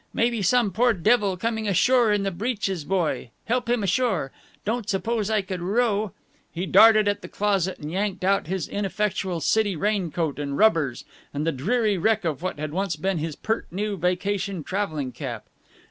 Maybe some poor devil coming ashore in the breeches buoy help him ashore Don't suppose I could row " He darted at the closet and yanked out his ineffectual city raincoat and rubbers, and the dreary wreck of what had once been his pert new vacation traveling cap.